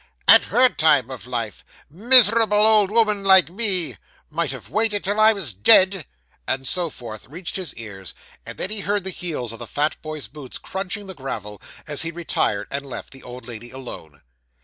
'At her time of life' 'Miserable old 'ooman like me' 'Might have waited till I was dead,' and so forth, reached his ears; and then he heard the heels of the fat boy's boots crunching the gravel, as he retired and left the old lady alone.